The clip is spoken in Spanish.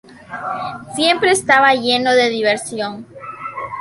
Siempre estaba lleno de diversión.